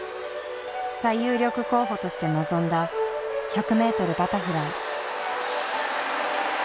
最有力候補として臨んだ１００ｍバタフライ。